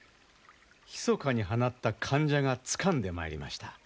ひそかに放った間者がつかんでまいりました。